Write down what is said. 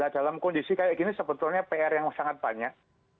dalam kondisi kayak gini sebetulnya pr yang sangat banyak